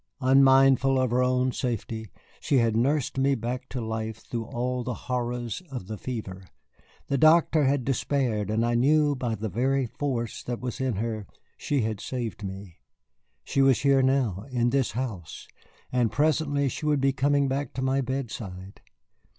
Unmindful of her own safety, she had nursed me back to life through all the horrors of the fever. The doctor had despaired, and I knew that by the very force that was in her she had saved me. She was here now, in this house, and presently she would be coming back to my bedside.